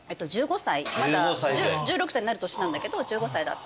１６歳になる年なんだけど１５歳だったんですね。